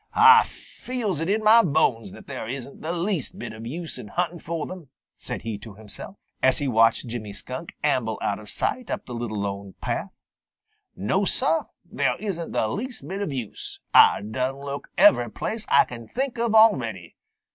"Ah feels it in mah bones that there isn't the least bit of use in huntin' fo' them," said he to himself, as he watched Jimmy Skunk amble out of sight up the Lone Little Path. "No, Sah, there isn't the least bit of use. Ah done look every place Ah can think of already.